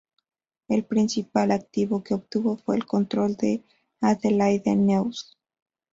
El principal activo que obtuvo fue el control de "Adelaide News".